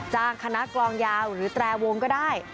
คณะกลองยาวหรือแตรวงก็ได้